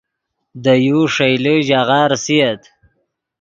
دے یو ݰئیلے ژاغہ ریسییت